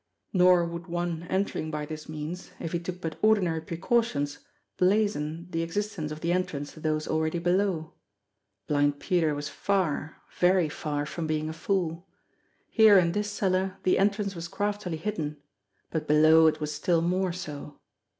Nor would one entering by this means, if he took but ordinary precautions, blazon the exist ence of the entrance to those already below. Blind Peter was far, very far, from being a fool! Here in this cellar the entrance was craftily hidden ; but below it was still more so.